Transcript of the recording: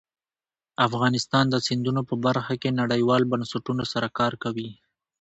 افغانستان د سیندونه په برخه کې نړیوالو بنسټونو سره کار کوي.